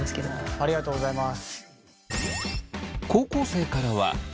ありがとうございます。